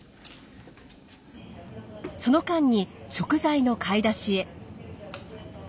その間に食材の買い出しへ。